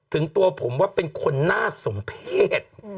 ถึงตัวผมว่าเป็นคนน่าสมเพศ